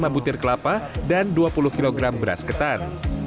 empat puluh lima butir kelapa dan dua puluh kilogram beras ketan